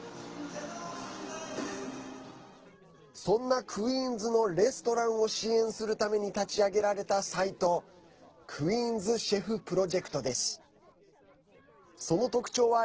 そんなクイーンズのレストランを支援するために立ち上げられたサイトクイーンズシェフプロジェクトです。